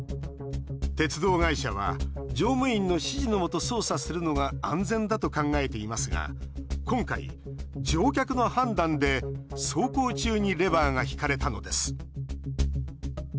鉄道会社は乗務員の指示のもと操作するのが安全だと考えていますが今回、乗客の判断で走行中にレバーが引かれたのです。